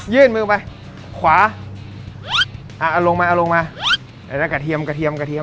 ยื่นมือไปขวาอ่าเอาลงมาเอาลงมาแล้วก็กระเทียมกระเทียมกระเทียม